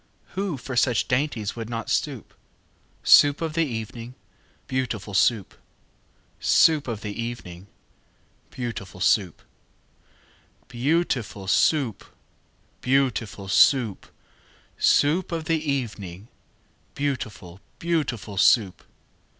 Who for such dainties would not stoop? Soup of the evening, beautiful Soup! Soup of the evening, beautiful Soup! Beau ootiful Soo oop! Beau ootiful Soo oop! Soo oop of the e e evening, Beautiful, beautiful Soup!